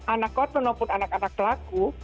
anak korban maupun anak anak pelaku